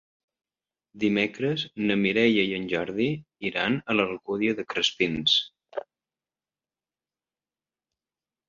Dimecres na Mireia i en Jordi iran a l'Alcúdia de Crespins.